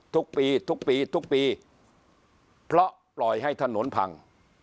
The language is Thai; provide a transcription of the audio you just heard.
ทุกปีทุกปีทุกปีเพราะปล่อยให้ถนนพัง